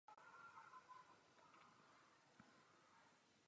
Po maturitě na gymnáziu v Nitře navštěvoval učitelský ústav.